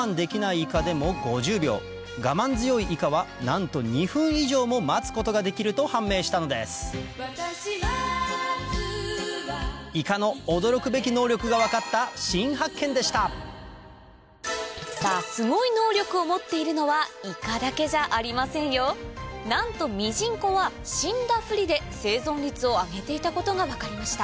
イカでも５０秒ガマン強いイカはなんと２分以上も待つことができると判明したのですイカの驚くべき能力が分かった新発見でしたすごい能力を持っているのはイカだけじゃありませんよなんとミジンコは死んだふりで生存率を上げていたことが分かりました